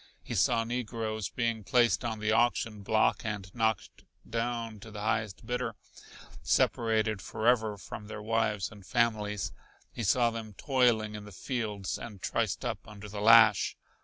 He saw negroes being placed on the auction block and knocked down to the highest bidder, separated forever from their wives and families. He saw them toiling in the fields and triced up under the lash.